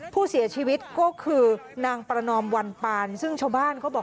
ผู้เสียชีวิตก็คือนางประนอมวันปานซึ่งชาวบ้านเขาบอก